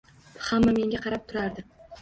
Hamma menga qarab turardi